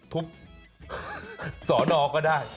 ทุบสอนอก็ได้